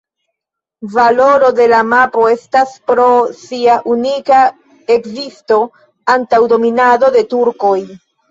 Valoro de la mapo estas pro sia unika ekzisto antaŭ dominado de turkoj.